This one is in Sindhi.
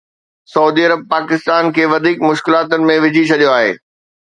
سعودي عرب پاڪستان کي وڌيڪ مشڪلاتن ۾ وجهي ڇڏيو آهي